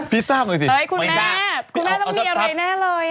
พี่ทราบเลยสิไม่ทราบด้วยคุณน่าคุณน่าต้องมีอะไรแน่เลย